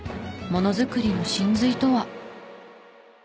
ものづくりの神髄とは。